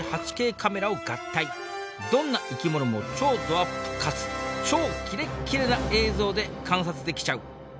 どんな生き物も超どアップかつ超キレッキレな映像で観察できちゃう。